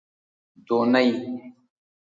دونۍ